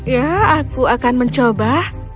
ya aku akan mencoba